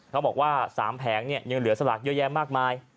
เขาบอกว่า๓แผงเนี่ยยังเหลือสลากเยอะแยะมากมาย